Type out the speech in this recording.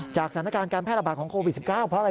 จากสถานการณ์การแพทย์ระบาดของโควิด๑๙เพราะอะไรรู้ไหม